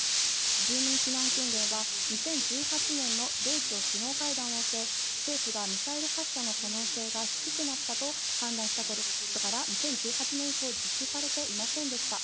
住民避難訓練は２０１８年の米朝首脳会談を受け、政府がミサイル発射の可能性が低くなったと判断したことから、２０１８年以降、実施されていませんでした。